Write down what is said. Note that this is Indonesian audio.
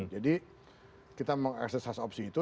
jadi kita mengakses opsi itu